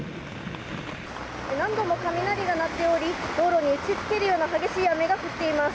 何度も雷が鳴っており道路に打ちつけるような激しい雨が降っています。